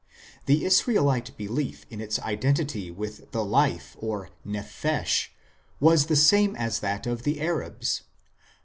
The Israelite belief in its identity with the life or nephesh was the same as that of the Arabs.